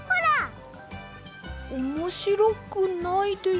おもしろくないです。